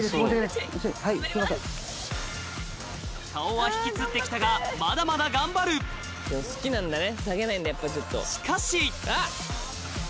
顔はひきつって来たがまだまだ頑張るしかしあぁ！